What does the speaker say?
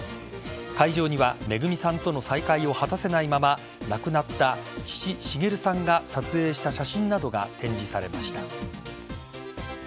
会場にはめぐみさんとの再会を果たせないまま亡くなった父・滋さんが撮影した写真などが展示されました。